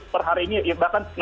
per hari ini bahkan enam tiga ratus